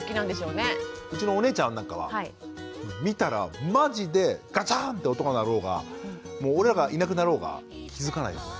うちのお姉ちゃんなんかは見たらマジでガチャンって音が鳴ろうが俺らがいなくなろうが気付かないですね。